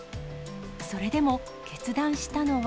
それでも、決断したのは。